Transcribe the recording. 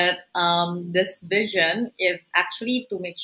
tapi visi ini adalah